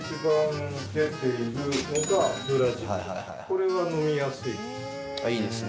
これは飲みやすいです。